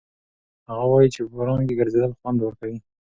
هغه وایي چې په باران کې ګرځېدل خوند ورکوي.